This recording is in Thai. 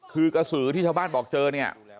คือกระสือที่ชาวบ้านบอกเจอเนี่ย